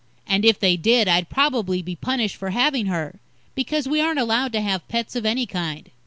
And, if they did, I'd probably be punished for having her. Because we aren't allowed to have pets of any kind.